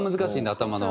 頭の。